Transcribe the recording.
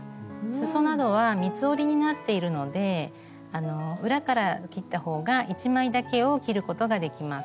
すそなどは三つ折りになっているので裏から切った方が１枚だけを切ることができます。